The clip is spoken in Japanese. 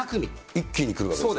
一気にくるわけですね。